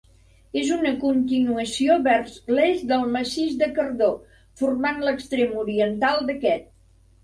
És una continuació vers l'est del Massís de Cardó, formant l'extrem oriental d'aquest.